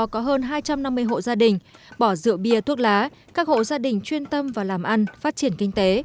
có hơn hai trăm năm mươi hộ gia đình bỏ rượu bia thuốc lá các hộ gia đình chuyên tâm vào làm ăn phát triển kinh tế